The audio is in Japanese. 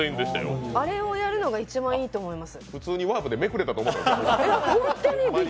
あれをやるのが一番いいと思います。